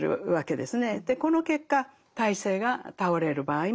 でこの結果体制が倒れる場合もあると。